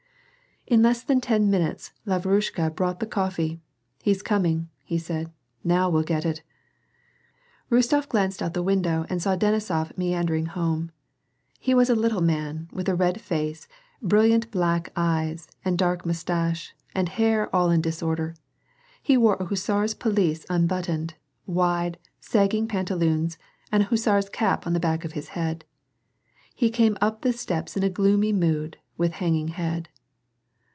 In less than ten minutes, Lavrushka brought the coffee. " He's coming," said he, "Now we'll get it !" Rostof glanced out of the window and saw Denisof mean dering home. He was a little man, with a red face, brilliant black eyes, and dark musttiche, and hair all in disorder. He wore a hussar's pelisse unbuttoned, wide, sagging pantaloons, and a hussar's cap on the back of his head. He came up the steps in a gloomy mood, with hanging head.